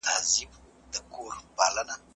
ښوونځي ماشومانو ته د څېړنې مهارتونه ورزده کوي.